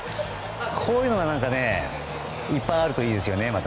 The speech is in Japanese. こういうのがいっぱいあるといいですね。